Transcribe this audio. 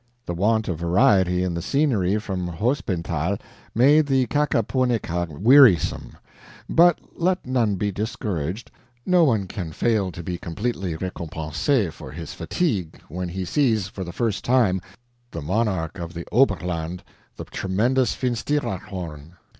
The want of variety in the scenery from Hospenthal made the KAHKAHPONEEKA wearisome; but let none be discouraged; no one can fail to be completely R'ECOMPENS'EE for his fatigue, when he sees, for the first time, the monarch of the Oberland, the tremendous Finsteraarhorn.